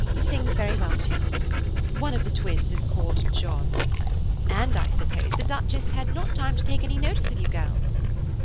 –sings very well too. One of the twins is called John. And, I suppose, the Duchess had not time to take any notice of you, girls?"